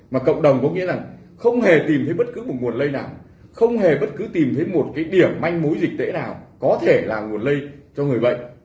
mà cộng đồng có nghĩa là không hề tìm thấy bất cứ một nguồn lây nào không hề bất cứ tìm thấy một cái điểm manh múi dịch tễ nào có thể là nguồn lây cho người bệnh